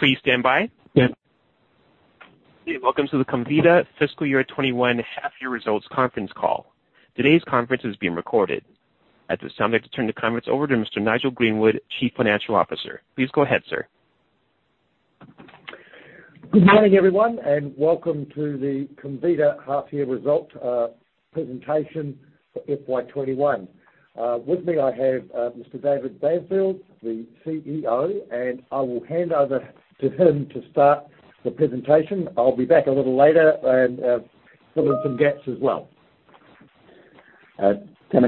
Please stand by. Yeah. Welcome to the Comvita Fiscal Year 2021 Half Year Results Conference Call. Today's conference is being recorded. At this time, I'd like to turn the conference over to Mr. Nigel Greenwood, Chief Financial Officer. Please go ahead, sir. Good morning, everyone, and welcome to the Comvita Half Year Result presentation for FY 2021. With me, I have Mr. David Banfield, the CEO, and I will hand over to him to start the presentation. I will be back a little later and fill in some gaps as well. Good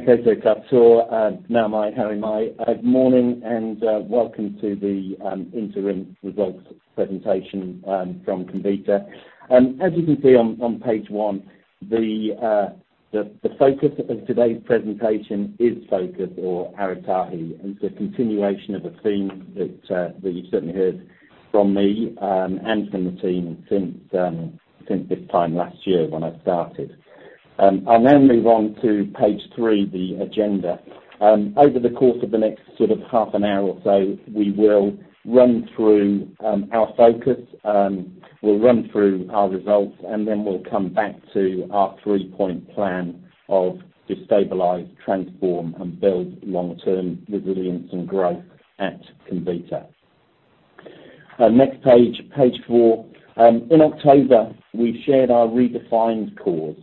morning and welcome to the interim results presentation from Comvita. As you can see on page one, the focus of today's presentation is focus or Ara Tahi. It's a continuation of a theme that you've certainly heard from me and from the team since this time last year when I started. I'll now move on to page three, the agenda. Over the course of the next half an hour or so, we will run through our focus, we'll run through our results, and then we'll come back to our three-point plan of destabilize, transform, and build long-term resilience and growth at Comvita. Next page four. In October, we shared our redefined cause.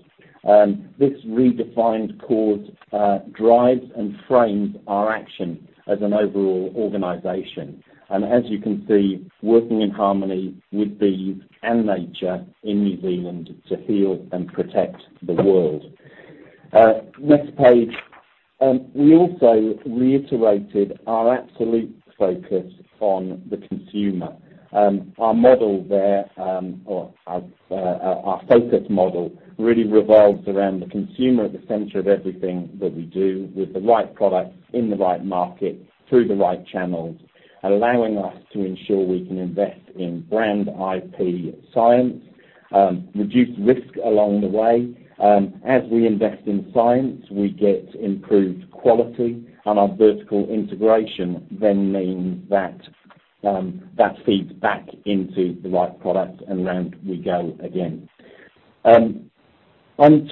This redefined cause drives and frames our action as an overall organization, and as you can see, working in harmony with bees and nature in New Zealand to heal and protect the world. Next page. We also reiterated our absolute focus on the consumer. Our focus model really revolves around the consumer at the center of everything that we do with the right product in the right market through the right channels, allowing us to ensure we can invest in brand IP science, reduce risk along the way. As we invest in science, we get improved quality, and our vertical integration then means that feeds back into the right product and round we go again. On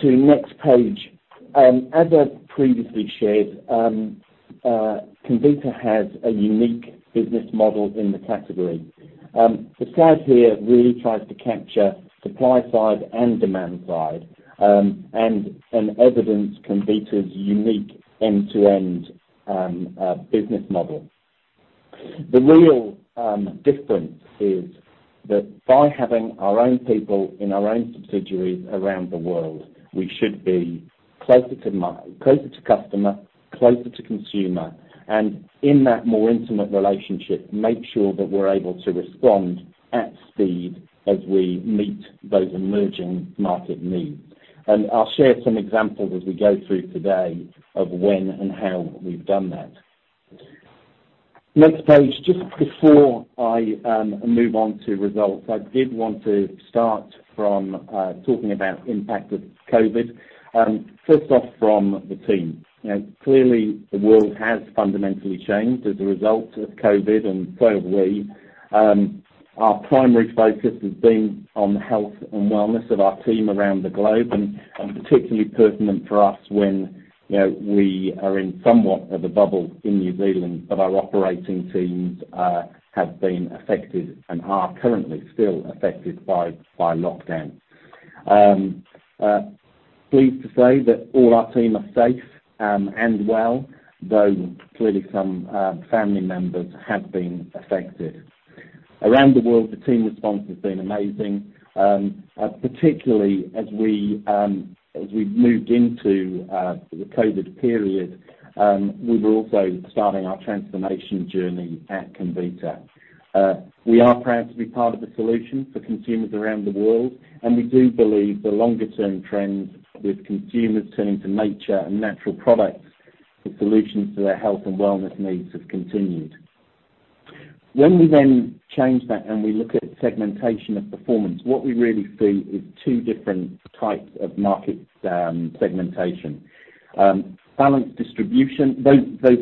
to next page. As I've previously shared, Comvita has a unique business model in the category. The slide here really tries to capture supply side and demand side, and evidence Comvita's unique end-to-end business model. The real difference is that by having our own people in our own subsidiaries around the world, we should be closer to customer, closer to consumer, and in that more intimate relationship, make sure that we're able to respond at speed as we meet those emerging market needs. I'll share some examples as we go through today of when and how we've done that. Next page. Just before I move on to results, I did want to start from talking about impact of COVID. First off, from the team. Clearly, the world has fundamentally changed as a result of COVID, and so have we. Our primary focus has been on the health and wellness of our team around the globe, and particularly pertinent for us when we are in somewhat of a bubble in New Zealand, but our operating teams have been affected and are currently still affected by lockdown. Pleased to say that all our team are safe and well, though clearly some family members have been affected. Around the world, the team response has been amazing. Particularly as we've moved into the COVID period, we were also starting our transformation journey at Comvita. We are proud to be part of the solution for consumers around the world, and we do believe the longer-term trends with consumers turning to nature and natural products for solutions to their health and wellness needs have continued. When we then change that and we look at segmentation of performance, what we really see is two different types of market segmentation. Those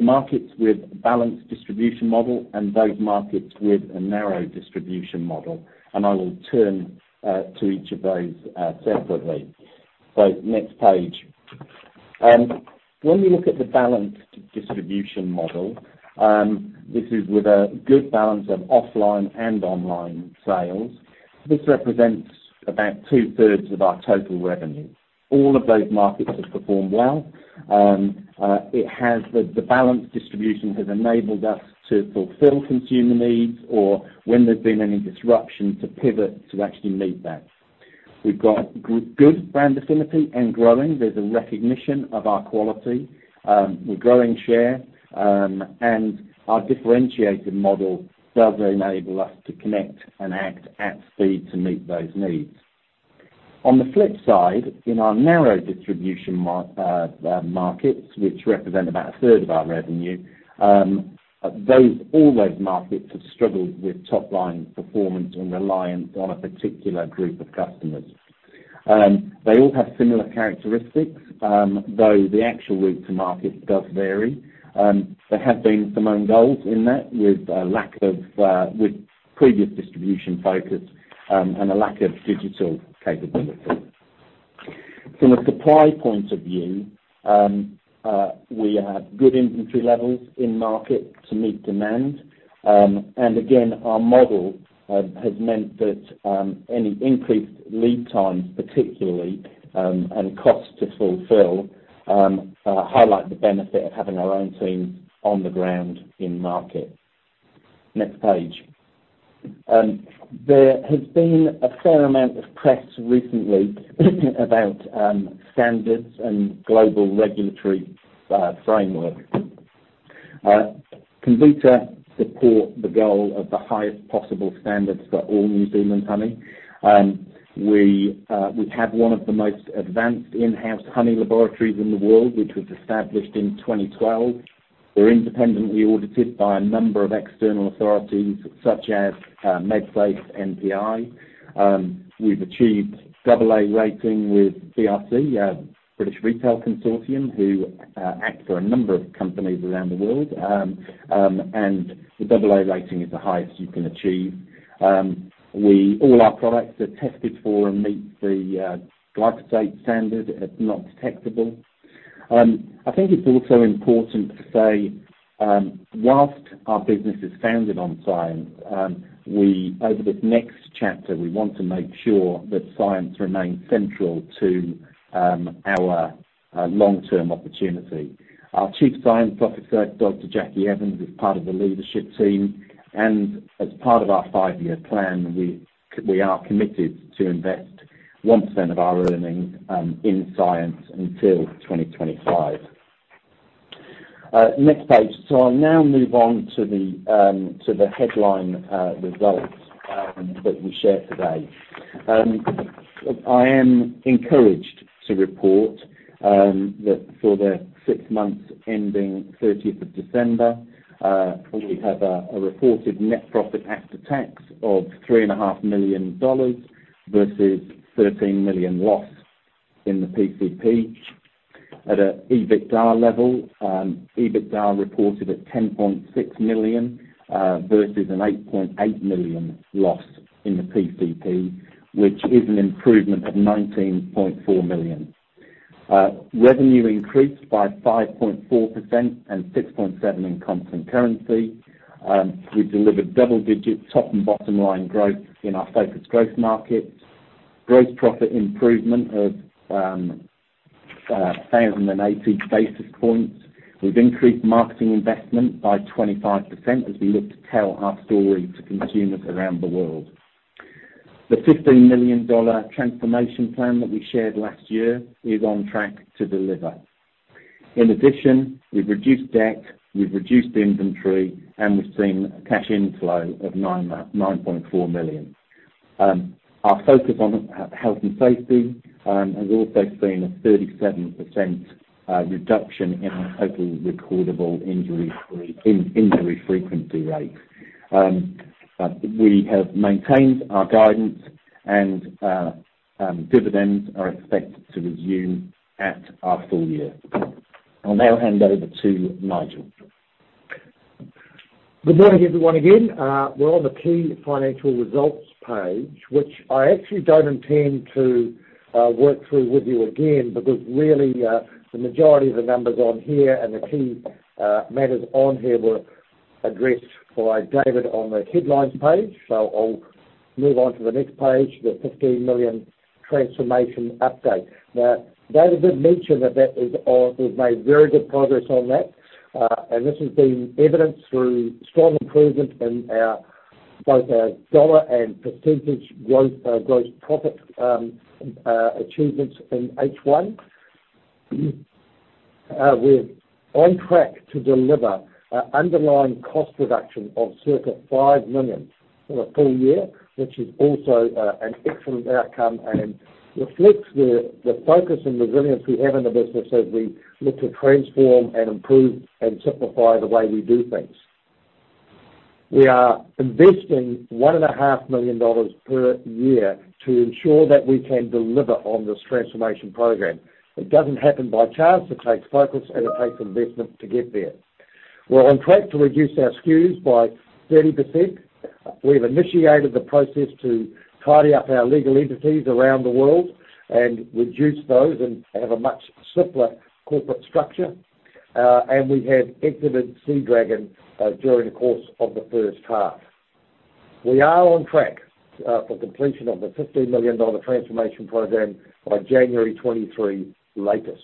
markets with balanced distribution model and those markets with a narrow distribution model. I will turn to each of those separately. Next page. When we look at the balanced distribution model, this is with a good balance of offline and online sales. This represents about 2/3 of our total revenue. All of those markets have performed well. The balanced distribution has enabled us to fulfill consumer needs or when there's been any disruption, to pivot to actually meet that. We've got good brand affinity and growing. There's a recognition of our quality. We're growing share. Our differentiated model does enable us to connect and act at speed to meet those needs. On the flip side, in our narrow distribution markets, which represent about 1/3 of our revenue, all those markets have struggled with top-line performance and reliance on a particular group of customers. They all have similar characteristics, though the actual route to market does vary. There have been some own goals in that with previous distribution focus and a lack of digital capability. From a supply point of view, we have good inventory levels in market to meet demand. Again, our model has meant that any increased lead times particularly, and costs to fulfill, highlight the benefit of having our own team on the ground in market. Next page. There has been a fair amount of press recently about standards and global regulatory framework. Comvita support the goal of the highest possible standards for all New Zealand honey. We have one of the most advanced in-house honey laboratories in the world, which was established in 2012. We're independently audited by a number of external authorities such as Medsafe MPI. We've achieved double A rating with BRC, British Retail Consortium, who act for a number of companies around the world. The AA rating is the highest you can achieve. All our products are tested for and meet the glyphosate standard as not detectable. I think it's also important to say, whilst our business is founded on science, over this next chapter, we want to make sure that science remains central to our long-term opportunity. Our Chief Science Officer, Dr. Jackie Evans, is part of the leadership team. As part of our five-year plan, we are committed to invest 1% of our earnings in science until 2025. Next page. I'll now move on to the headline results that we share today. I am encouraged to report that for the six months ending 30th of December, we have a reported net profit after tax of 3.5 million dollars versus 13 million loss in the PCP. At a EBITDA level, EBITDA reported at 10.6 million, versus an 8.8 million loss in the PCP, which is an improvement of 19.4 million. Revenue increased by 5.4% and 6.7% in constant currency. We've delivered double digits top and bottom line growth in our focused growth markets. Gross profit improvement of 1,080 basis points. We've increased marketing investment by 25% as we look to tell our story to consumers around the world. The 15 million dollar transformation plan that we shared last year is on track to deliver. In addition, we've reduced debt, we've reduced inventory, and we've seen a cash inflow of 9.4 million. Our focus on health and safety has also seen a 37% reduction in our total recordable injury frequency rates. We have maintained our guidance, and dividends are expected to resume at our full year. I'll now hand over to Nigel. Good morning, everyone, again. We're on the key financial results page, which I actually don't intend to work through with you again, because really, the majority of the numbers on here and the key matters on here were addressed by David on the headlines page. I'll move on to the next page, the 15 million transformation update. David did mention that we've made very good progress on that, and this has been evidenced through strong improvement in both our dollar and percentage growth, gross profit achievements in H1. We're on track to deliver underlying cost reduction of circa 5 million for the full year, which is also an excellent outcome and reflects the focus and resilience we have in the business as we look to transform and improve and simplify the way we do things. We are investing 1.5 million dollars per year to ensure that we can deliver on this transformation program. It doesn't happen by chance. It takes focus and it takes investment to get there. We're on track to reduce our SKUs by 30%. We've initiated the process to tidy up our legal entities around the world and reduce those and have a much simpler corporate structure. We have exited SeaDragon during the course of the first half. We are on track for completion of the 15 million dollar transformation program by January 2023 latest.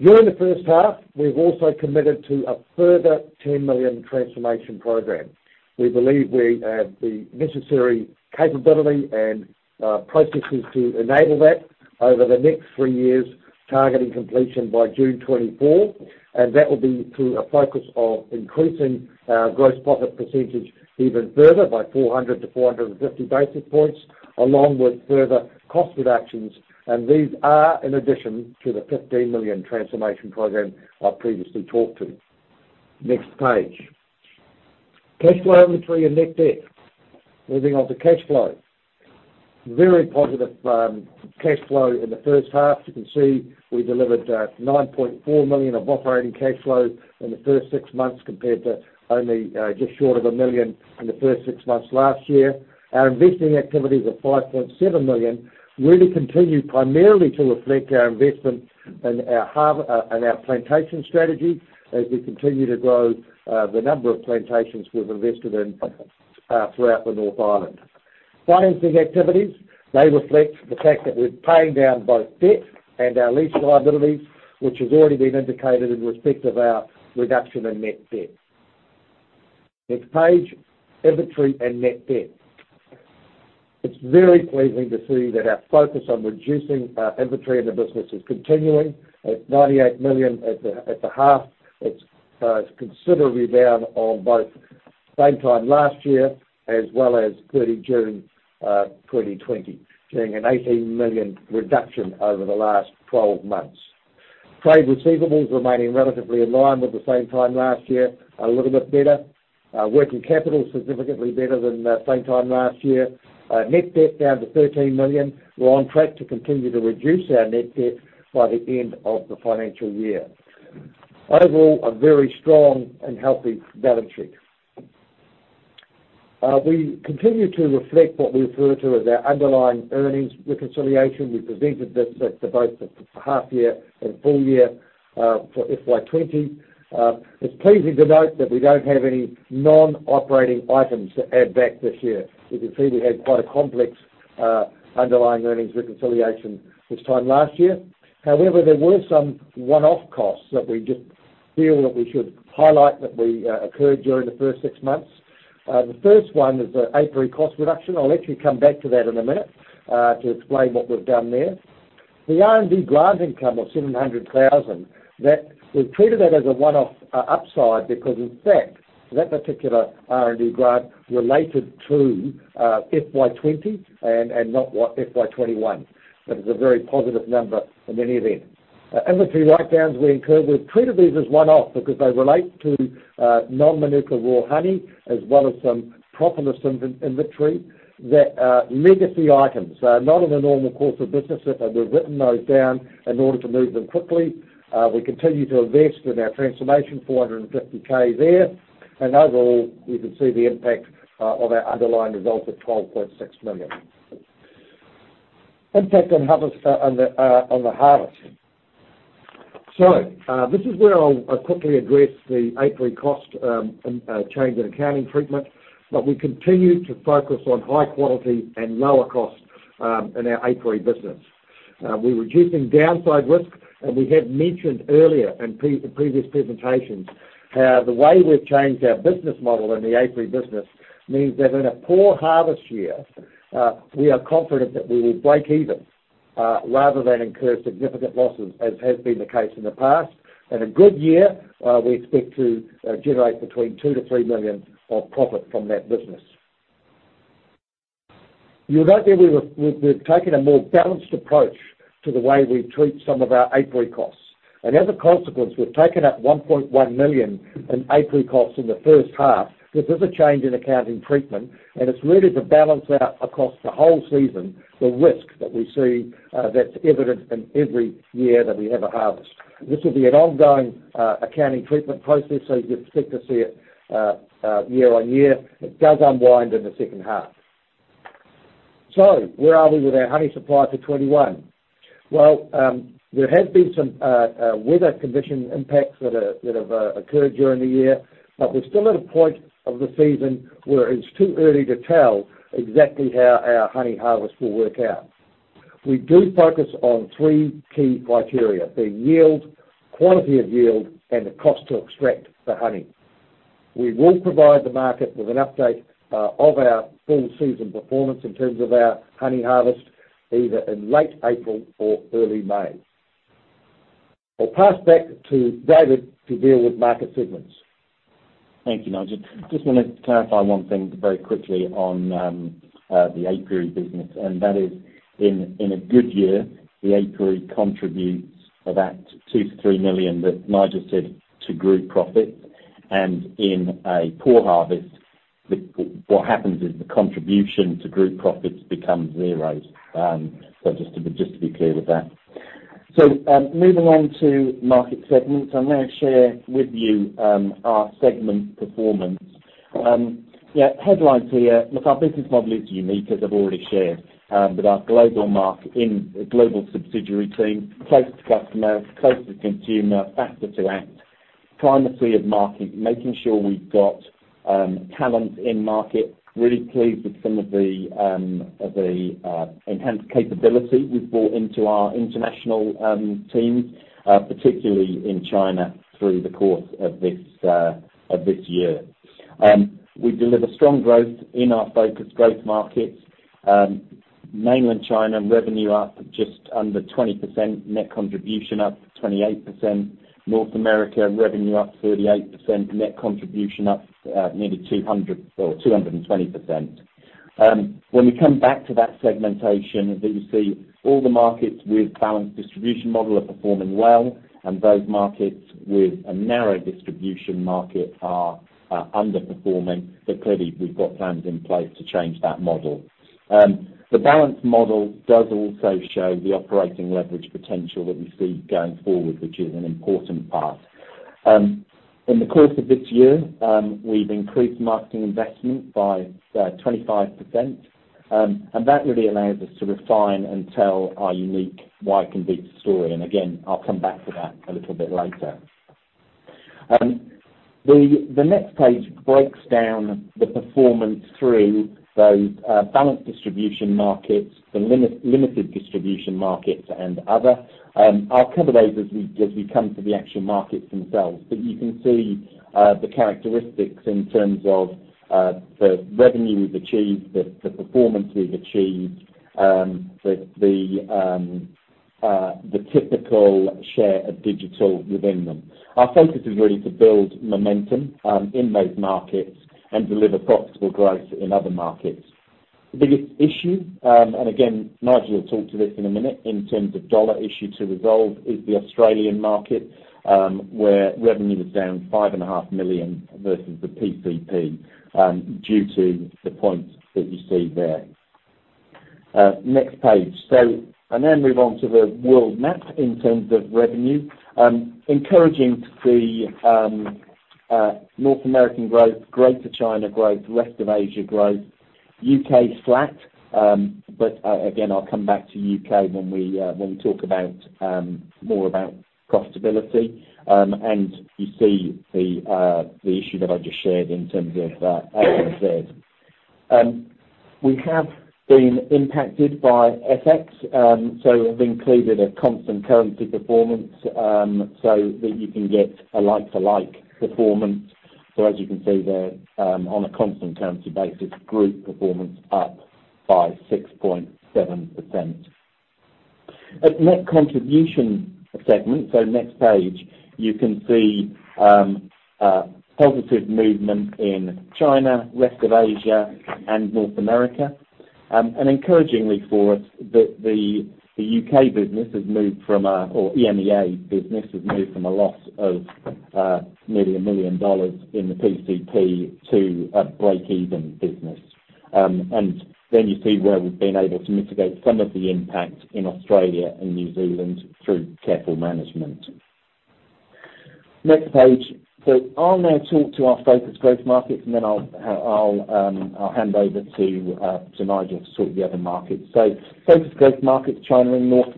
During the first half, we've also committed to a further 10 million transformation program. We believe we have the necessary capability and processes to enable that over the next three years, targeting completion by June 2024. That will be through a focus of increasing our gross profit percentage even further by 400 to 450 basis points, along with further cost reductions, and these are in addition to the 15 million transformation program I previously talked to. Next page. Cash flow, inventory, and net debt. Moving on to cash flow. Very positive cash flow in the first half. You can see we delivered 9.4 million of operating cash flow in the first six months compared to only just short of 1 million in the first six months last year. Our investing activities of 5.7 million really continue primarily to reflect our investment in our plantation strategy as we continue to grow the number of plantations we've invested in throughout the North Island. Financing activities, they reflect the fact that we're paying down both debt and our lease liabilities, which has already been indicated in respect of our reduction in net debt. Next page, inventory and net debt. It's very pleasing to see that our focus on reducing our inventory in the business is continuing. At 98 million at the half, it's considerably down on both same time last year, as well as 30 June 2020, seeing an 18 million reduction over the last 12 months. Trade receivables remaining relatively in line with the same time last year, a little bit better. Working capital, significantly better than the same time last year. Net debt down to 13 million. We're on track to continue to reduce our net debt by the end of the financial year. Overall, a very strong and healthy balance sheet. We continue to reflect what we refer to as our underlying earnings reconciliation. We presented this at both the half year and full year for FY 2020. It's pleasing to note that we don't have any non-operating items to add back this year. You can see we had quite a complex underlying earnings reconciliation this time last year. There were some one-off costs that we just feel that we should highlight that occurred during the first six months. The first one is the apiary cost reduction. I'll actually come back to that in a minute to explain what we've done there. The R&D grant income of 700,000, we've treated that as a one-off upside, because in fact, that particular R&D grant related to FY 2020 and not FY 2021. It's a very positive number in any event. Inventory write-downs we incurred, we've treated these as one-off because they relate to non-Mānuka raw honey, as well as some Propolis inventory that are legacy items, not in the normal course of business. We've written those down in order to move them quickly. We continue to invest in our transformation, 450K there. Overall, you can see the impact of our underlying result of 12.6 million. Impact on the harvest. This is where I'll quickly address the apiary cost and change in accounting treatment, but we continue to focus on high quality and lower cost in our apiary business. We're reducing downside risk, and we have mentioned earlier in previous presentations, how the way we've changed our business model in the apiary business means that in a poor harvest year, we are confident that we will break even rather than incur significant losses, as has been the case in the past. In a good year, we expect to generate between 2 million-3 million of profit from that business. You'll note there we've taken a more balanced approach to the way we treat some of our apiary costs. As a consequence, we've taken up 1.1 million in apiary costs in the first half. This is a change in accounting treatment, and it's really to balance out across the whole season, the risk that we see that's evident in every year that we have a harvest. This will be an ongoing accounting treatment process. You'd expect to see it year-on-year. It does unwind in the second half. Where are we with our honey supply for 2021? Well, there have been some weather condition impacts that have occurred during the year, but we're still at a point of the season where it's too early to tell exactly how our honey harvest will work out. We do focus on three key criteria, the yield, quality of yield, and the cost to extract the honey. We will provide the market with an update of our full season performance in terms of our honey harvest, either in late April or early May. I'll pass back to David to deal with market segments. Thank you, Nigel. Just wanted to clarify one thing very quickly on the apiary business, that is, in a good year, the apiary contributes about 2 million-3 million that Nigel said to group profits. In a poor harvest, what happens is the contribution to group profits becomes zero. Just to be clear with that. Moving on to market segments. I'm going to share with you our segment performance. Headlines here. Look, our business model is unique, as I've already shared, with our global subsidiary team, close to customer, close to consumer, faster to act. Climate clear of market, making sure we've got talent in market. Really pleased with some of the enhanced capability we've brought into our international team, particularly in China through the course of this year. We deliver strong growth in our focused growth markets. Mainland China revenue up just under 20%, net contribution up 28%. North America revenue up 38%, net contribution up nearly 220%. When we come back to that segmentation that you see, all the markets with balanced distribution model are performing well, and those markets with a narrow distribution market are underperforming. Clearly we've got plans in place to change that model. The balanced model does also show the operating leverage potential that we see going forward, which is an important part. In the course of this year, we've increased marketing investment by 25%, and that really allows us to refine and tell our unique Why Comvita story. Again, I'll come back to that a little bit later. The next page breaks down the performance through those balanced distribution markets, the limited distribution markets, and other. I'll cover those as we come to the actual markets themselves. You can see the characteristics in terms of the revenue we’ve achieved, the performance we’ve achieved, the typical share of digital within them. Our focus is really to build momentum in those markets and deliver profitable growth in other markets. The biggest issue, and again, Nigel will talk to this in a minute, in terms of NZD issue to resolve, is the Australian market, where revenue was down 5.5 million versus the PCP due to the points that you see there. Next page. I then move on to the world map in terms of revenue. Encouraging to see North American growth, greater China growth, rest of Asia growth, U.K. flat. Again, I’ll come back to U.K. when we talk more about profitability. You see the issue that I just shared in terms of ANZ. We have been impacted by FX, so we've included a constant currency performance, so that you can get a like-to-like performance. As you can see there, on a constant currency basis, group performance up by 6.7%. At net contribution segment, so next page, you can see positive movement in China, rest of Asia, and North America. Encouragingly for us, the U.K. business or EMEA business, has moved from a loss of nearly 1 million dollars in the PCP to a break even business. Then you see where we've been able to mitigate some of the impact in Australia and New Zealand through careful management. Next page. I'll now talk to our focused growth markets, and then I'll hand over to Nigel to talk the other markets. Focused growth markets, China and North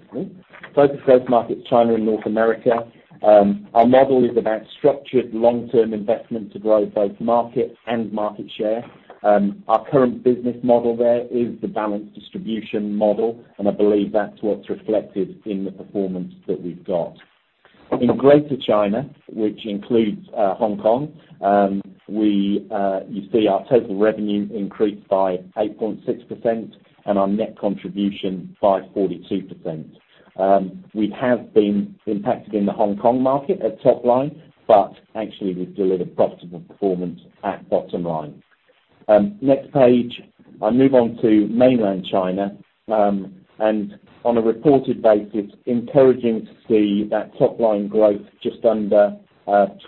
America. Our model is about structured long-term investment to grow both markets and market share. Our current business model there is the balanced distribution model, and I believe that's what's reflected in the performance that we've got. In Greater China, which includes Hong Kong, you see our total revenue increased by 8.6% and our net contribution by 42%. We have been impacted in the Hong Kong market at top line, but actually we've delivered profitable performance at bottom line. Next page. I move on to mainland China. On a reported basis, encouraging to see that top line growth just under 20%,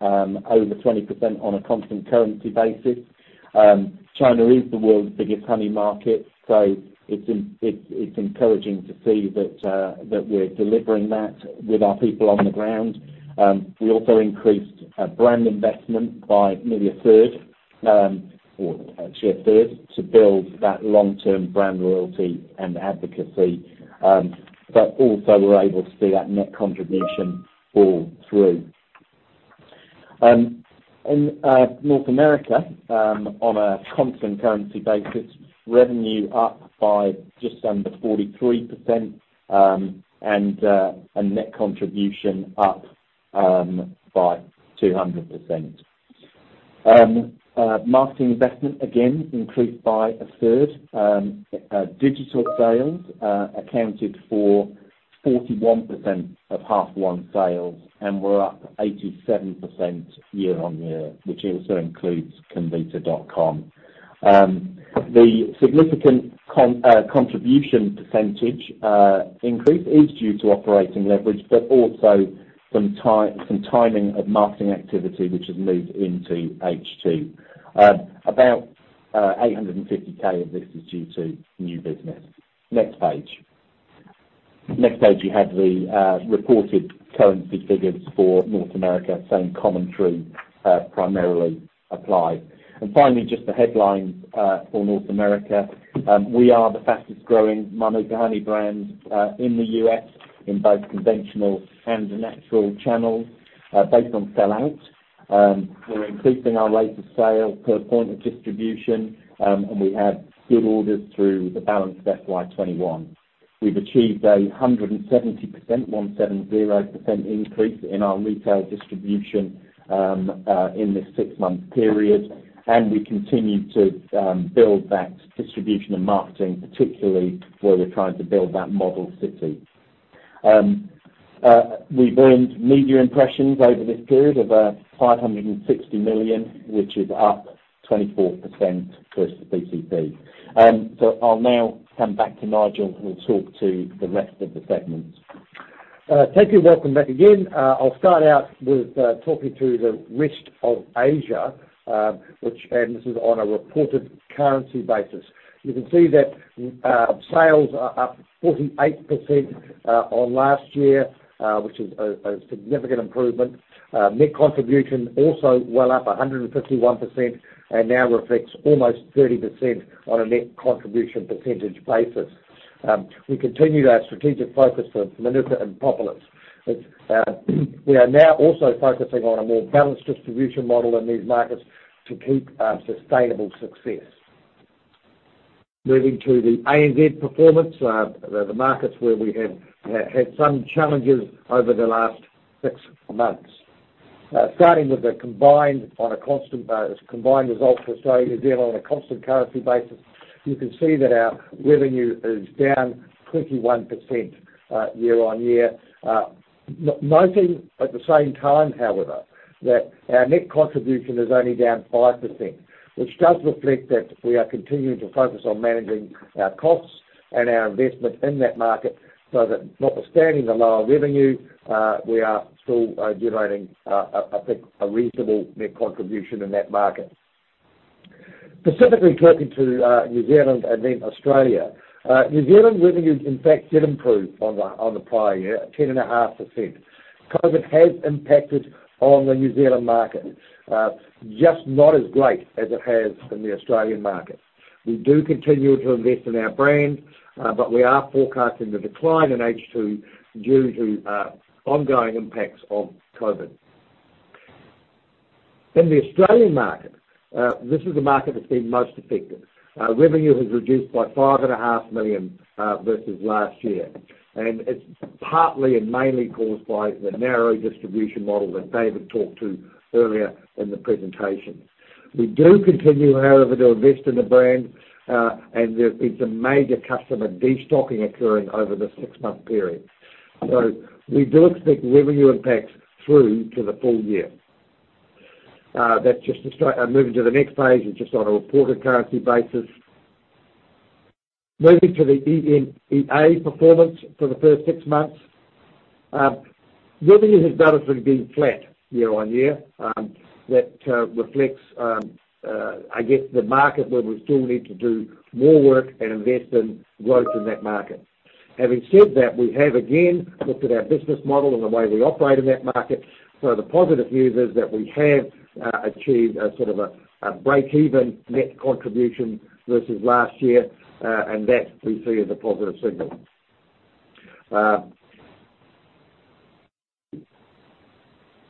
over 20% on a constant currency basis. China is the world's biggest honey market. It's encouraging to see that we're delivering that with our people on the ground. We also increased brand investment by nearly a third, or actually a third, to build that long-term brand loyalty and advocacy, but also we're able to see that net contribution fall through. In North America, on a constant currency basis, revenue up by just under 43%, and net contribution up by 200%. Marketing investment, again, increased by a third. Digital sales accounted for 41% of half one sales, and were up 87% year-on-year, which also includes comvita.com. The significant contribution percentage increase is due to operating leverage, but also some timing of marketing activity, which has moved into H2. About 850K of this is due to new business. Next page. Next page, you have the reported currency figures for North America, same commentary primarily apply. Finally, just the headlines for North America. We are the fastest growing Mānuka honey brand in the U.S. in both conventional and the natural channel, based on sell-outs. We're increasing our rate of sale per point of distribution, and we have good orders through the balanced FY 2021. We've achieved 170% increase in our retail distribution in this six-month period, and we continue to build that distribution and marketing, particularly where we're trying to build that model city. We've earned media impressions over this period of 560 million, which is up 24% versus PCP. I'll now come back to Nigel, who will talk to the rest of the segments. Thank you. Welcome back again. I'll start out with talking to the rest of Asia, and this is on a reported currency basis. You can see that sales are up 48% on last year, which is a significant improvement. Net contribution also well up 151% and now reflects almost 30% on a net contribution percentage basis. We continue our strategic focus on Mānuka and Propolis. We are now also focusing on a more balanced distribution model in these markets to keep sustainable success. Moving to the ANZ performance, the markets where we have had some challenges over the last six months. Starting with the combined result for Australia and New Zealand on a constant currency basis, you can see that our revenue is down 21% year-on-year. Noting at the same time, however, that our net contribution is only down 5%, which does reflect that we are continuing to focus on managing our costs and our investment in that market, so that notwithstanding the lower revenue, we are still generating a reasonable net contribution in that market. Specifically talking to New Zealand and then Australia. New Zealand revenue, in fact, did improve on the prior year at 10.5%. COVID has impacted on the New Zealand market, just not as great as it has in the Australian market. We do continue to invest in our brand, we are forecasting the decline in H2 due to ongoing impacts of COVID. In the Australian market, this is the market that's been most affected. Revenue has reduced by 5.5 million versus last year. It's partly and mainly caused by the narrow distribution model that David talked to earlier in the presentation. We do continue, however, to invest in the brand, and it's a major customer destocking occurring over the six-month period. We do expect revenue impacts through to the full year. Moving to the next page, is just on a reported currency basis. Moving to the EMEA performance for the first six months. Revenue has relatively been flat year-on-year. That reflects, I guess, the market where we still need to do more work and invest in growth in that market. Having said that, we have again, looked at our business model and the way we operate in that market. The positive news is that we have achieved a sort of a break-even net contribution versus last year, and that we see as a positive signal.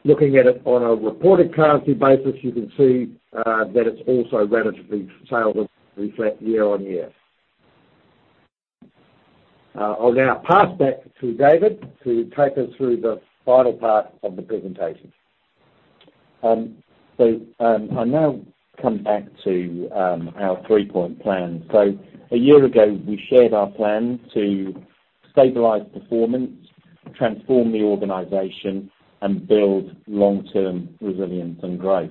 Looking at it on a reported currency basis, you can see that it's also relatively sales have been flat year-on-year. I'll now pass back to David to take us through the final part of the presentation. I'll now come back to our three-point plan. A year ago, we shared our plan to stabilize performance, transform the organization, and build long-term resilience and growth.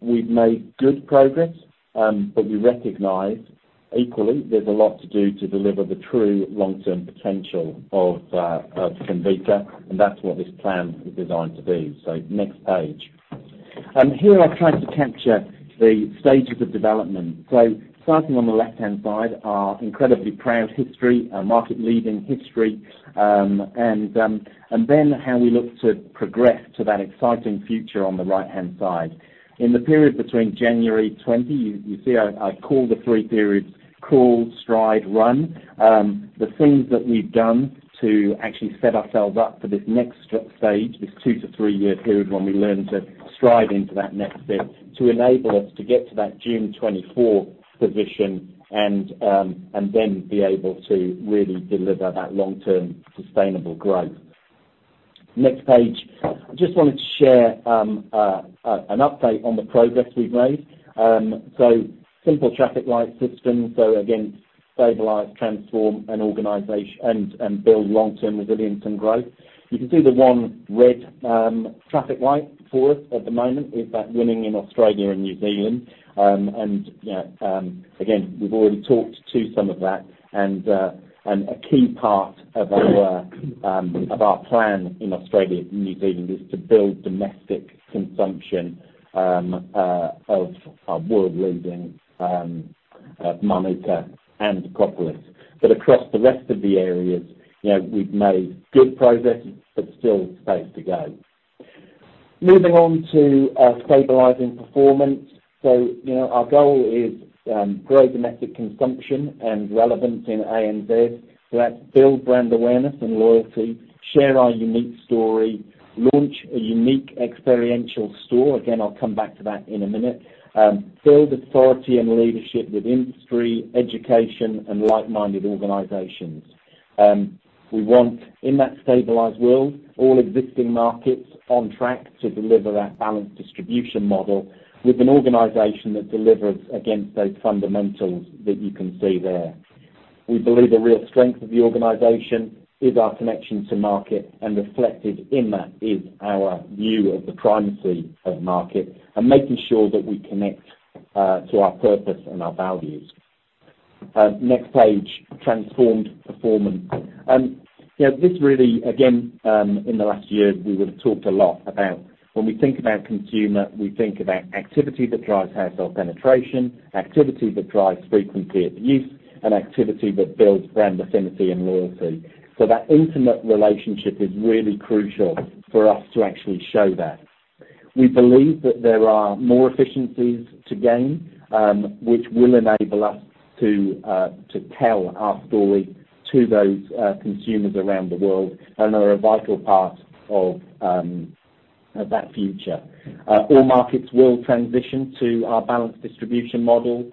We've made good progress, but we recognize equally there's a lot to do to deliver the true long-term potential of Comvita, and that's what this plan is designed to do. Next page. Here I've tried to capture the stages of development. Starting on the left-hand side, our incredibly proud history, our market leading history, and then how we look to progress to that exciting future on the right-hand side. In the period between January 2020, you see I call the three periods crawl, stride, run. The things that we've done to actually set ourselves up for this next stage, this two to three-year period, when we learn to stride into that next phase, to enable us to get to that June 2024 position and then be able to really deliver that long-term sustainable growth. Next page. I just wanted to share an update on the progress we've made. Simple traffic light system. Again, stabilize, transform, and build long-term resilience and growth. You can see the one red traffic light for us at the moment is that winning in Australia and New Zealand. Again, we've already talked to some of that, and a key part of our plan in Australia and New Zealand is to build domestic consumption of our world-leading Mānuka and Propolis. Across the rest of the areas, we've made good progress, but still space to go. Moving on to stabilizing performance. Our goal is grow domestic consumption and relevance in ANZ. That's build brand awareness and loyalty, share our unique story, launch a unique experiential store. Again, I'll come back to that in a minute. Build authority and leadership with industry, education, and like-minded organizations. We want, in that stabilized world, all existing markets on track to deliver that balanced distribution model with an organization that delivers against those fundamentals that you can see there. We believe the real strength of the organization is our connection to market, and reflected in that is our view of the primacy of market and making sure that we connect to our purpose and our values. Next page, transformed performance. This really, again, in the last year, we would've talked a lot about when we think about consumer, we think about activity that drives household penetration, activity that drives frequency of use, and activity that builds brand affinity and loyalty. That intimate relationship is really crucial for us to actually show that. We believe that there are more efficiencies to gain, which will enable us to tell our story to those consumers around the world and are a vital part of that future. All markets will transition to our balanced distribution model.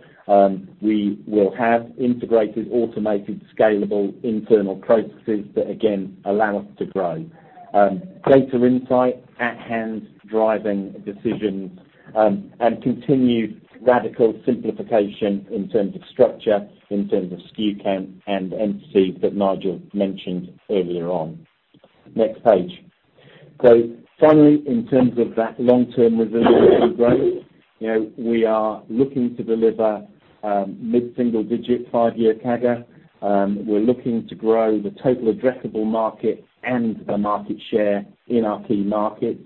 We will have integrated, automated, scalable internal processes that, again, allow us to grow. Data insight at hand, driving decisions, and continued radical simplification in terms of structure, in terms of SKU count and entities that Nigel mentioned earlier on. Next page. Finally, in terms of that long-term resilience and growth, we are looking to deliver mid-single digit five-year CAGR. We're looking to grow the total addressable market and the market share in our key markets.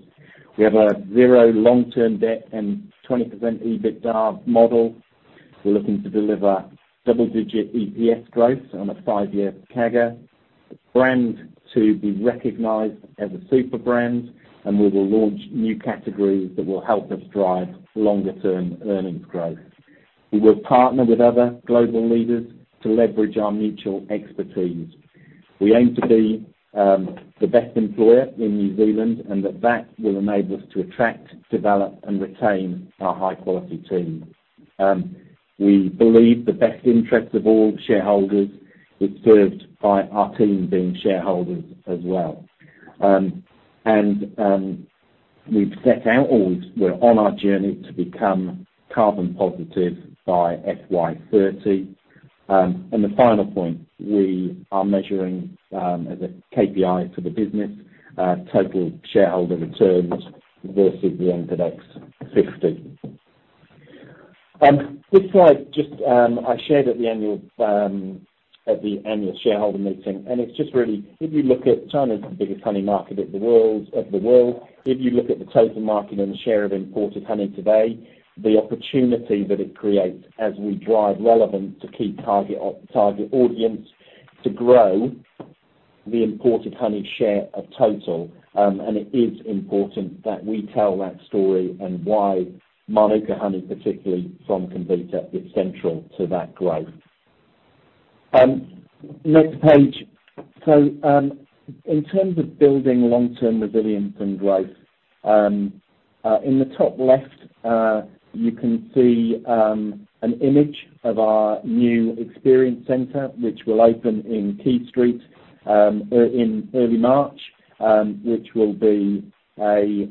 We have a zero long-term debt and 20% EBITDA model. We're looking to deliver double-digit EPS growth on a five-year CAGR. The brand to be recognized as a super brand, and we will launch new categories that will help us drive longer-term earnings growth. We will partner with other global leaders to leverage our mutual expertise. We aim to be the best employer in New Zealand, and that will enable us to attract, develop, and retain our high-quality team. We believe the best interest of all shareholders is served by our team being shareholders as well. We've set out, or we're on our journey to become carbon positive by FY 2030. The final point, we are measuring as a KPI to the business, total shareholder returns versus the NZX50. This slide, I shared at the annual shareholder meeting, and it's just really, if you look at China, it's the biggest honey market of the world. If you look at the total market and the share of imported honey today, the opportunity that it creates as we drive relevance to key target audience to grow the imported honey share of total. It is important that we tell that story and why Mānuka honey, particularly from Comvita, is central to that growth. Next page. In terms of building long-term resilience and growth, in the top left you can see an image of our new experience center, which will open in Quay Street in early March, which will be a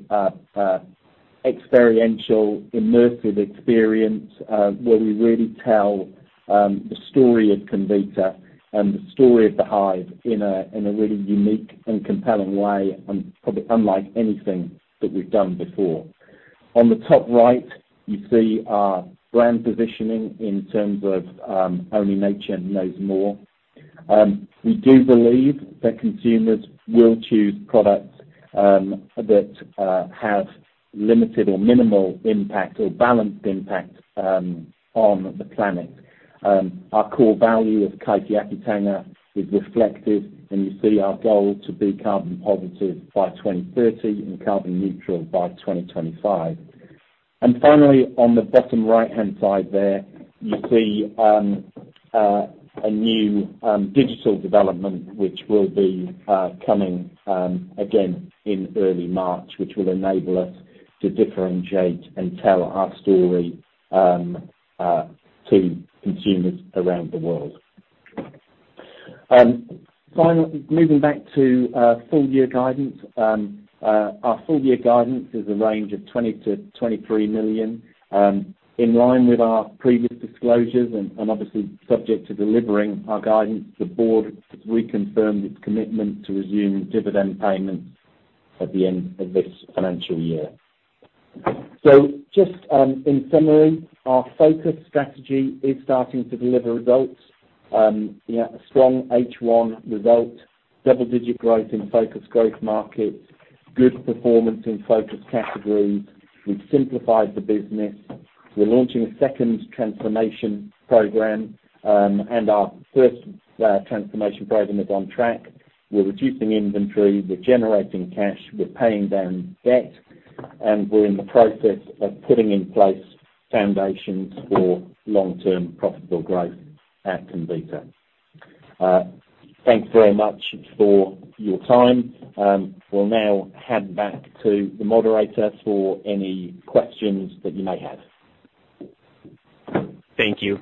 experiential, immersive experience, where we really tell the story of Comvita and the story of the hive in a really unique and compelling way, and probably unlike anything that we've done before. On the top right, you see our brand positioning in terms of Only Nature Knows More. We do believe that consumers will choose products that have limited or minimal impact or balanced impact on the planet. Our core value of Kaitiakitanga is reflected, and you see our goal to be carbon positive by 2030 and carbon neutral by 2025. Finally, on the bottom right-hand side there, you see a new digital development, which will be coming, again, in early March, which will enable us to differentiate and tell our story to consumers around the world. Finally, moving back to full-year guidance. Our full-year guidance is a range of 20 million-23 million. In line with our previous disclosures, obviously subject to delivering our guidance, the board has reconfirmed its commitment to resume dividend payments at the end of this financial year. Just in summary, our focus strategy is starting to deliver results. A strong H1 result, double-digit growth in focus growth markets, good performance in focus categories. We've simplified the business. We're launching a second transformation program, our first transformation program is on track. We're reducing inventory, we're generating cash, we're paying down debt, and we're in the process of putting in place foundations for long-term profitable growth at Comvita. Thanks very much for your time. We'll now hand back to the moderator for any questions that you may have. Thank you.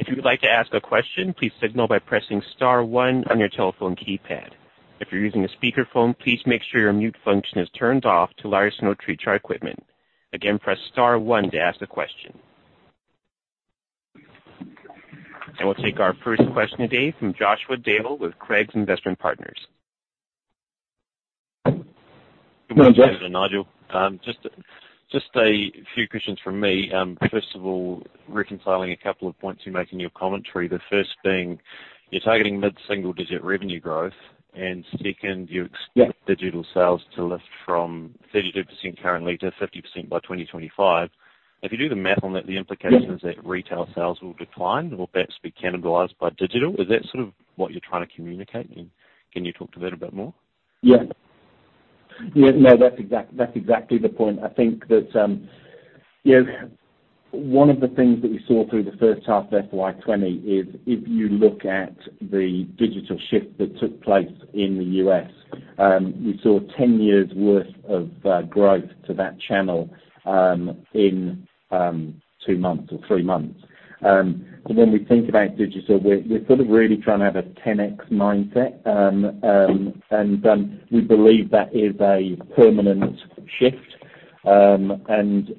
If you would like to ask a question, please signal by pressing star one on your telephone keypad. If you're using a speakerphone, please make sure your mute function is turned off to allow us to not trigger our equipment. Again, press star one to ask a question. I will take our first question today from Joshua Dale with Craigs Investment Partners. Good morning, David and Nigel. Just a few questions from me. First of all, reconciling a couple of points you make in your commentary. The first being, you are targeting mid-single digit revenue growth, and second, you expect. Yeah. Digital sales to lift from 32% currently to 50% by 2025. Yeah. is that retail sales will decline or perhaps be cannibalized by digital. Is that sort of what you're trying to communicate and can you talk to that a bit more? Yeah. No, that's exactly the point. I think that one of the things that we saw through the first half FY 2020 is if you look at the digital shift that took place in the U.S., we saw 10 years' worth of growth to that channel in two months or three months. When we think about digital, we're sort of really trying to have a 10x mindset. We believe that is a permanent shift, and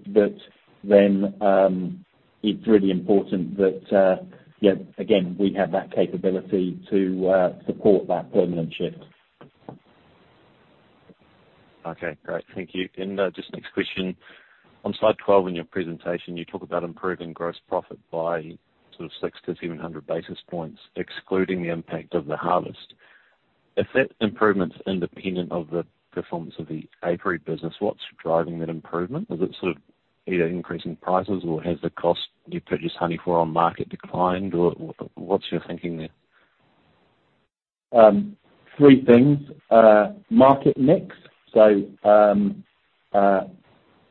that then it's really important that, yeah, again, we have that capability to support that permanent shift. Okay, great. Thank you. Next question. On slide 12 in your presentation, you talk about improving gross profit by sort of 600 to 700 basis points, excluding the impact of the harvest. If that improvement's independent of the performance of the apiary business, what's driving that improvement? Is it sort of either increasing prices or has the cost you purchased honey for on market declined? What's your thinking there? Three things. Market mix, so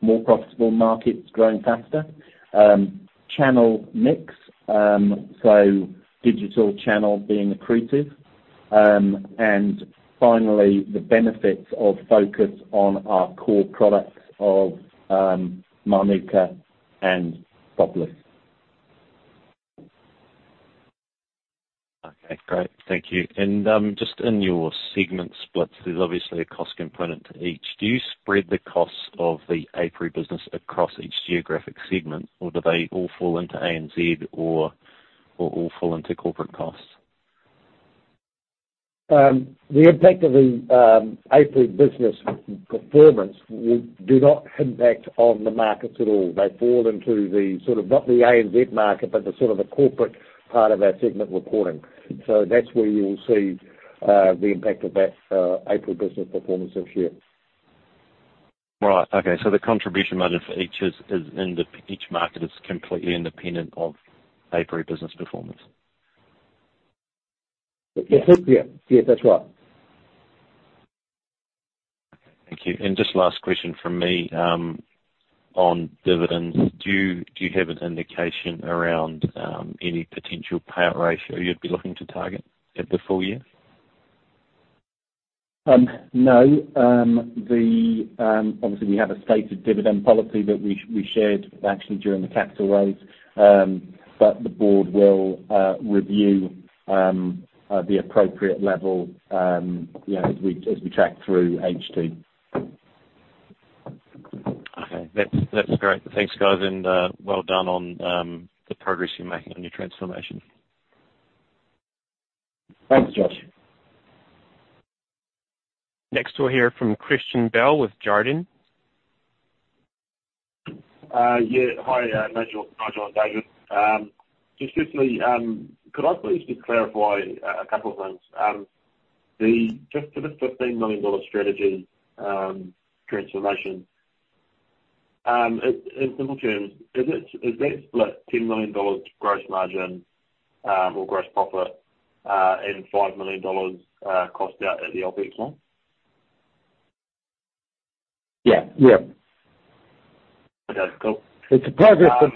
more profitable markets growing faster. Channel mix, so digital channel being accretive. Finally, the benefits of focus on our core products of Mānuka and Propolis. Okay, great. Thank you. Just in your segment splits, there's obviously a cost component to each. Do you spread the costs of the apiary business across each geographic segment, or do they all fall into ANZ or all fall into corporate costs? The impact of the apiary business performance do not impact on the markets at all. They fall into the sort of not the ANZ market, but the sort of a corporate part of our segment reporting. That's where you will see the impact of that apiary business performance this year. Right. Okay, the contribution model for each market is completely independent of apiary business performance. Yes. Yeah. That's right. Thank you. Just last question from me. On dividends, do you have an indication around any potential payout ratio you'd be looking to target at the full year? No. Obviously, we have a stated dividend policy that we shared actually during the capital raise. The board will review the appropriate level as we track through H2. Okay. That's great. Thanks, guys, and well done on the progress you're making on your transformation. Thanks, Josh. Next, we'll hear from Christian Bell with Jarden. Yeah. Hi, Nigel and David. Just quickly, could I please just clarify a couple of things? Just for the 15 million dollar strategy transformation. In simple terms, is that split 10 million dollars to gross margin or gross profit, and 5 million dollars cost out at the OpEx line? Yeah. Yeah. Okay, cool. It's the progress we're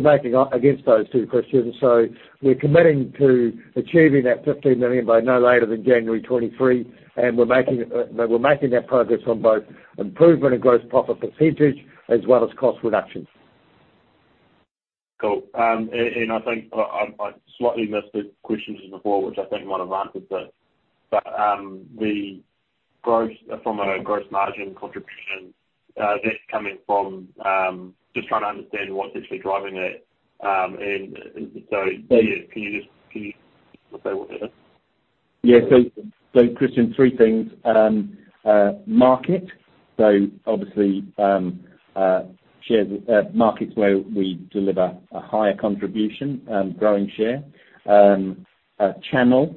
making against those two, Christian. We're committing to achieving that 15 million by no later than January 2023, and we're making that progress on both improvement and gross profit percentage, as well as cost reductions. Cool. I think I slightly missed the questions in the board, which I think might have answered it. From a gross margin contribution, that's coming from just trying to understand what's actually driving it. Can you just say what it is? Yeah. Christian, three things. Market, obviously markets where we deliver a higher contribution growing share. Channel,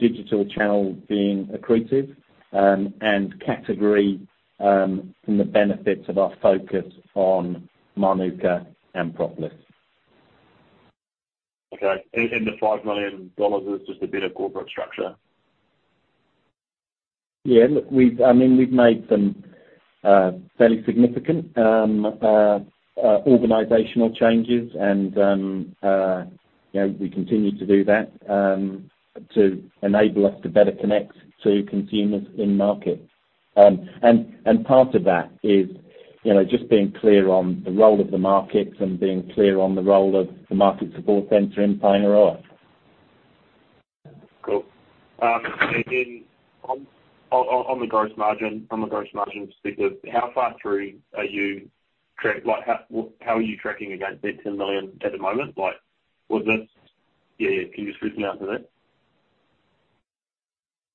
digital channel being accretive. Category from the benefits of our focus on Mānuka and Propolis. Okay. The 5 million dollars is just a better corporate structure? Yeah. Look, we've made some fairly significant organizational changes, and we continue to do that to enable us to better connect to consumers in-market. Part of that is just being clear on the role of the markets and being clear on the role of the market support center in Paengaroa. Cool. On the gross margin, how are you tracking against that 10 million at the moment? Can you just speak more to that?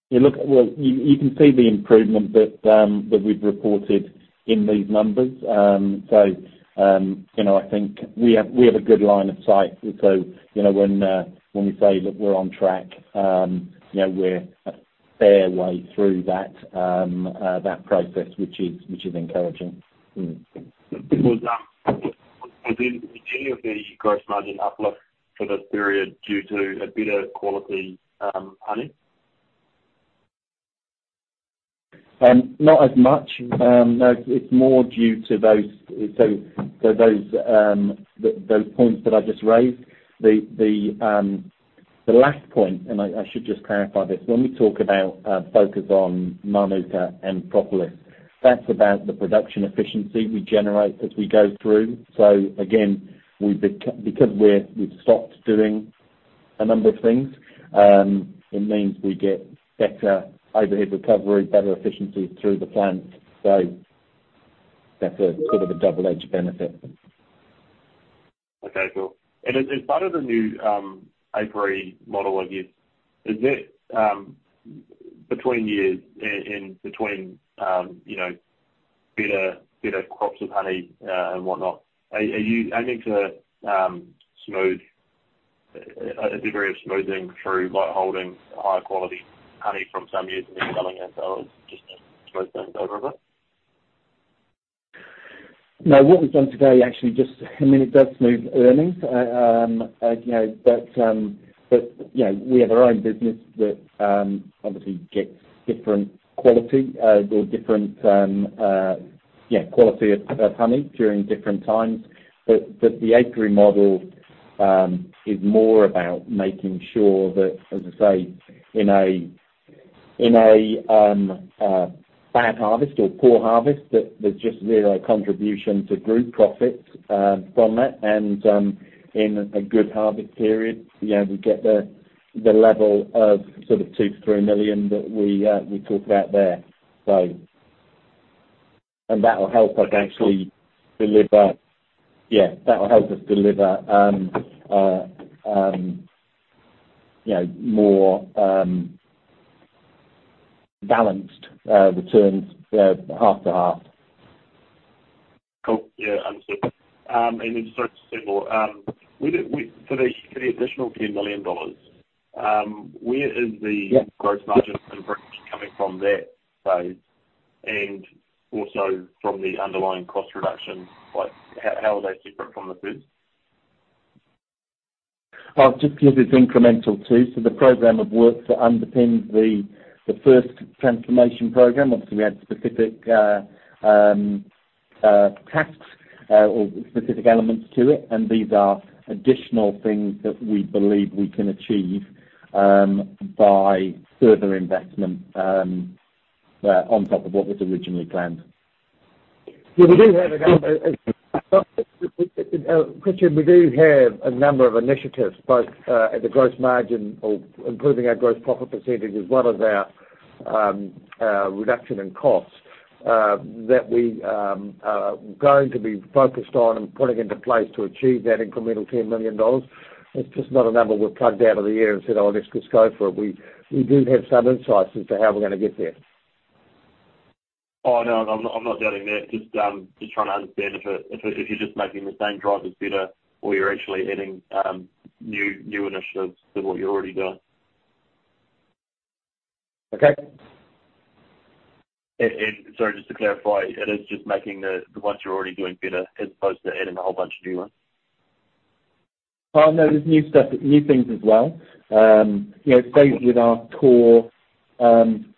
Well, you can see the improvement that we've reported in these numbers. I think we have a good line of sight. When we say that we're on track, we're a fair way through that process, which is encouraging. Was any of the gross margin uplift for this period due to a better quality honey? Not as much. It's more due to those points that I just raised. The last point, I should just clarify this, when we talk about focus on Mānuka and Propolis, that's about the production efficiency we generate as we go through. Again, because we've stopped doing a number of things, it means we get better overhead recovery, better efficiency through the plant. That's a double-edged benefit. Okay, cool. As part of the new apiary model, I guess, between years in better crops of honey and whatnot, are you aiming to a degree of smoothing through holding higher quality honey from some years and then selling it out, just to smooth things over a bit? No. What we've done today, actually, I mean, it does smooth earnings. We have our own business that obviously gets different quality of honey during different times. The apiary model is more about making sure that, as I say, in a bad harvest or poor harvest, that there's just zero contribution to group profits from that. In a good harvest period, we get the level of 2 million-3 million that we talk about there. That will help us deliver more balanced returns half to half. Cool. Yeah, understood. Then just sorry, just one more. For the additional 10 million dollars. Yeah. Gross margin improvement coming from that? Also from the underlying cost reduction, how are they separate from the first? I'll just give this incremental too. The program of work that underpins the first transformation program, obviously, we had specific tasks or specific elements to it, and these are additional things that we believe we can achieve by further investment on top of what was originally planned. Christian, we do have a number of initiatives, both at the gross margin or improving our gross profit percentage as well as our reduction in costs that we are going to be focused on and putting into place to achieve that incremental 10 million dollars. It's just not a number we've plucked out of the air and said, "Oh, let's just go for it." We do have some insights into how we're going to get there. Oh, no, I'm not doubting that. Just trying to understand if you're just making the same drivers better or you're actually adding new initiatives to what you're already doing. Okay. Sorry, just to clarify, it is just making the ones you're already doing better as opposed to adding a whole bunch of new ones? Oh, no, there's new things as well. It stays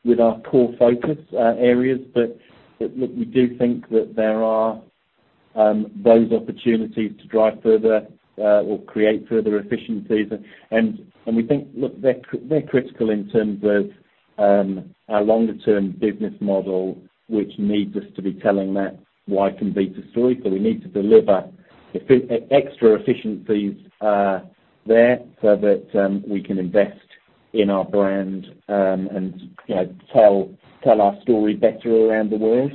with our core focus areas. Look, we do think that there are those opportunities to drive further or create further efficiencies. We think, look, they're critical in terms of our longer-term business model, which needs us to be telling that why Comvita story. We need to deliver extra efficiencies there so that we can invest in our brand and tell our story better around the world.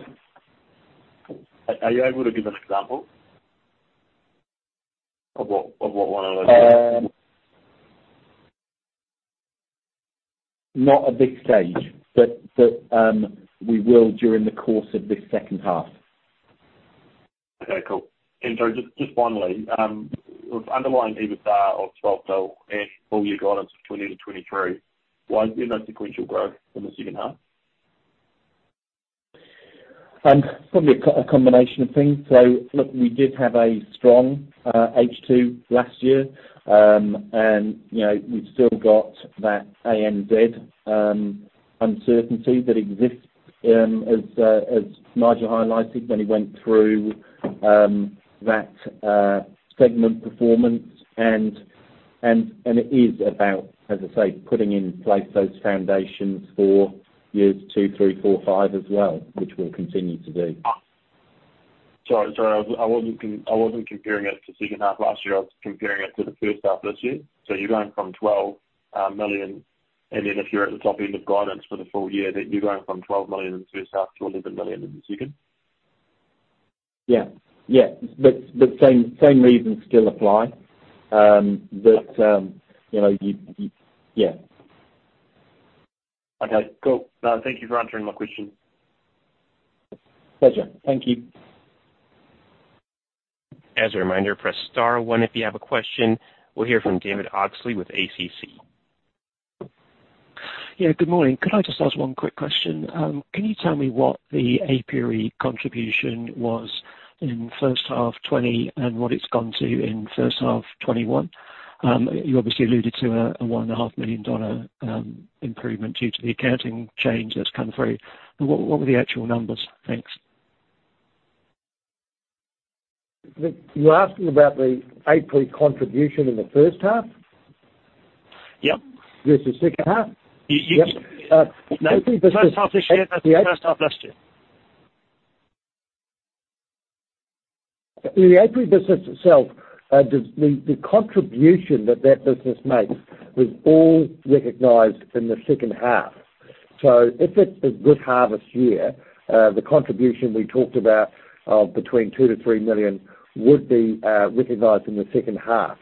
Are you able to give an example of what one of those is? Not at this stage. We will during the course of this second half. Okay, cool. Sorry, just finally. With underlying EBITDA of 12 million and full year guidance of 20 million-23 million, why is there no sequential growth from the second half? Probably a combination of things. Look, we did have a strong H2 last year. We've still got that ANZ uncertainty that exists as Nigel highlighted when he went through that segment performance. It is about, as I say, putting in place those foundations for years two, three, four, five as well, which we'll continue to do. Sorry. I wasn't comparing it to second half last year, I was comparing it to the first half this year. You're going from 12 million, and then if you're at the top end of guidance for the full year, then you're going from 12 million in the first half to 11 million in the second? Yeah. Same reasons still apply. Okay. Cool. No, thank you for answering my question. Pleasure. Thank you. As a reminder, press star one if you have a question. We'll hear from David Oxley with ACC. Yeah, good morning. Could I just ask one quick question? Can you tell me what the apiary contribution was in first half FY 2020 and what it's gone to in first half FY 2021? You obviously alluded to a 1.5 million dollar improvement due to the accounting change that's come through. What were the actual numbers? Thanks. You're asking about the apiary contribution in the first half? Yep. Versus second half? Yep. No. First half this year versus first half last year. The apiary business itself, the contribution that that business makes was all recognized in the second half. If it's a good harvest year, the contribution we talked about of between 2 million-3 million would be recognized in the second half.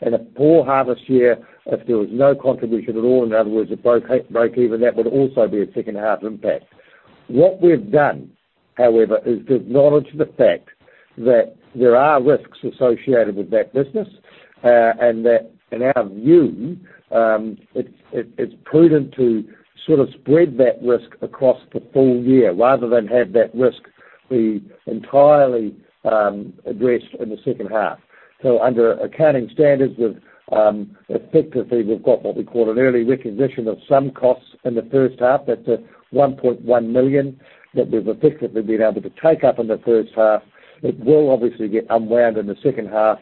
In a poor harvest year, if there was no contribution at all, in other words, a breakeven, that would also be a second-half impact. What we've done, however, is acknowledge the fact that there are risks associated with that business, and that in our view, it's prudent to sort of spread that risk across the full year rather than have that risk be entirely addressed in the second half. Under accounting standards, effectively, we've got what we call an early recognition of some costs in the first half. That's a 1.1 million that we've effectively been able to take up in the first half. It will obviously get unwound in the second half,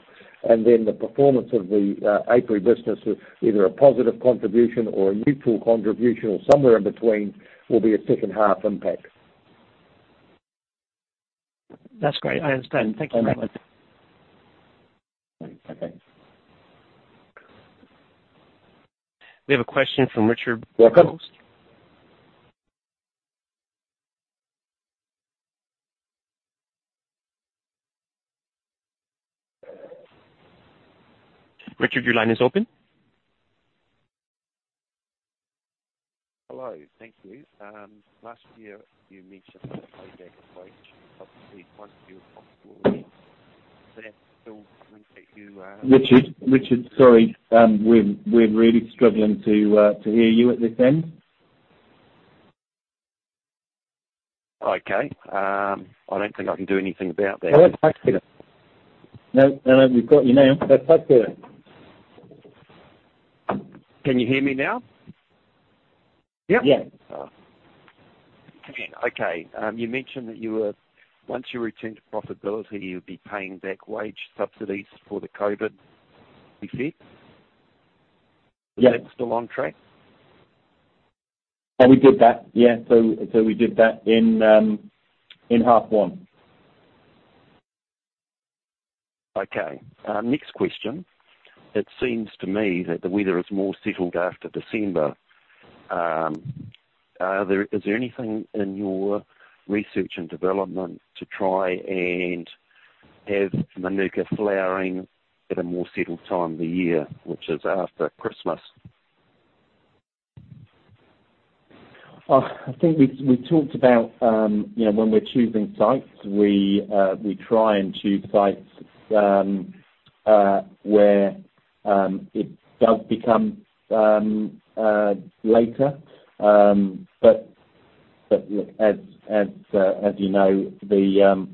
and then the performance of the apiary business, either a positive contribution or a neutral contribution or somewhere in between, will be a second-half impact. That's great. I understand. Thank you very much. Okay. We have a question from Richard. Welcome. Richard, your line is open. Hello. Thank you. Last year, you mentioned that Richard. Sorry. We're really struggling to hear you at this end. Okay. I don't think I can do anything about that. No, we've got you now. That's much better. Can you hear me now? Yep. Yeah. Okay. You mentioned that once you return to profitability, you'll be paying back wage subsidies for the COVID effects. Yeah. Is that still on track? We did that. Yeah. We did that in half one. Next question. It seems to me that the weather is more settled after December. Is there anything in your research and development to try and have Mānuka flowering at a more settled time of the year, which is after Christmas? I think we've talked about when we're choosing sites, we try and choose sites where it does become later. Look, as you know,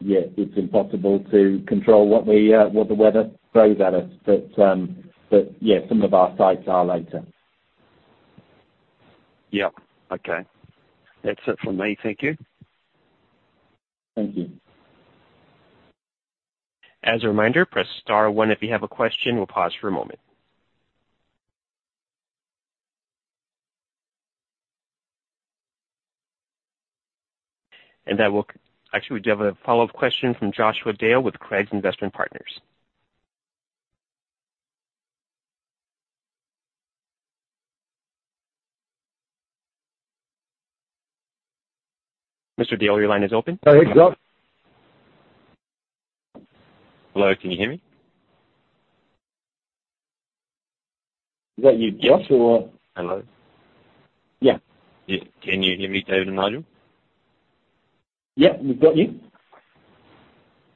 yeah, it's impossible to control what the weather throws at us. Yeah, some of our sites are later. Yeah. Okay. That's it from me. Thank you. Thank you. As a reminder, press star one if you have a question. We'll pause for a moment. Actually, we do have a follow-up question from Joshua Dale with Craigs Investment Partners. Mr. Dale, your line is open. Hey, Josh. Hello, can you hear me? Is that you, Josh? Hello. Yeah. Can you hear me, David and Nigel? Yeah, we've got you.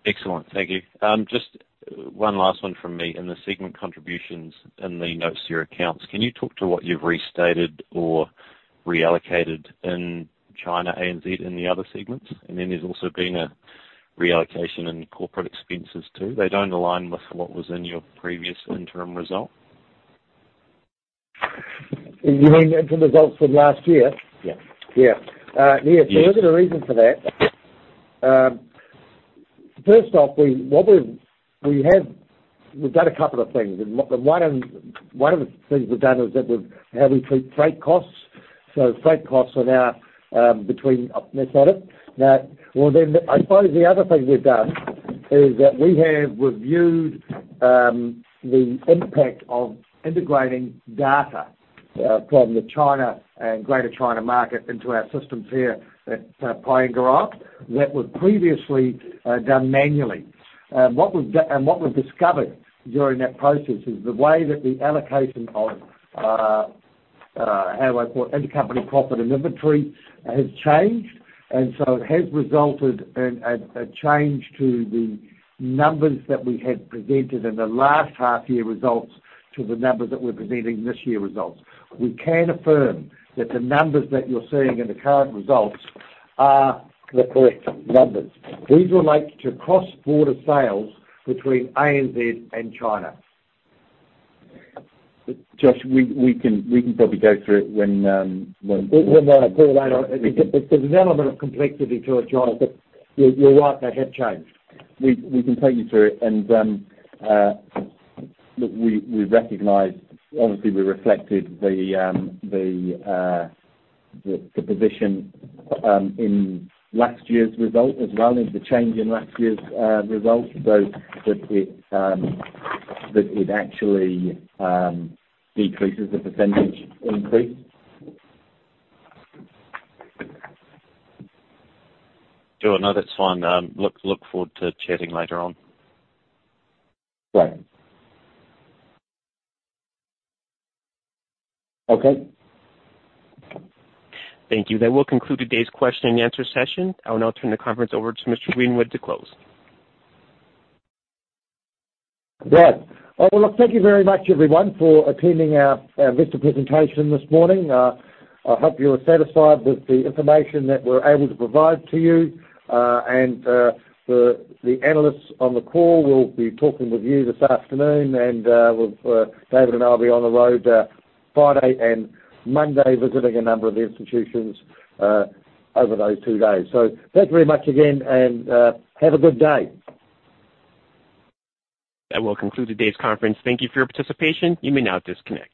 Excellent. Thank you. Just one last one from me. In the segment contributions in the notes to your accounts, can you talk to what you've restated or reallocated in China, ANZ, and the other segments? Then there's also been a reallocation in corporate expenses, too. They don't align with what was in your previous interim result. You mean the interim results from last year? Yeah. Yeah. Yes. Yeah. There is a reason for that. First off, we've done a couple of things. One of the things we've done is how we treat freight costs. Freight costs are now between. That's at it. I suppose the other thing we've done is that we have reviewed the impact of integrating data from the China and Greater China market into our systems here at Paengaroa that was previously done manually. What we've discovered during that process is the way that the allocation of intercompany profit and inventory has changed, and so it has resulted in a change to the numbers that we had presented in the last half year results to the numbers that we're presenting this year results. We can affirm that the numbers that you're seeing in the current results are the correct numbers. These relate to cross-border sales between ANZ and China. Josh, we can probably go through it. When, Paul. There's an element of complexity to it, Josh, but you're right, they have changed. We can take you through it, and look, we recognize, obviously, we reflected the position in last year's result as well as the change in last year's results, so that it actually decreases the percentage increase. Sure. No, that's fine. Look forward to chatting later on. Right. Okay. Thank you. That will conclude today's question and answer session. I will now turn the conference over to Mr. Greenwood to close. Well, look, thank you very much everyone for attending our investor presentation this morning. I hope you are satisfied with the information that we're able to provide to you. The analysts on the call will be talking with you this afternoon, and David and I will be on the road Friday and Monday visiting a number of institutions over those two days. Thanks very much again, and have a good day. That will conclude today's conference. Thank you for your participation. You may now disconnect.